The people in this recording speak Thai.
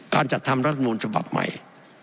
การจัดทำรัฐมนูลฉบับใหม่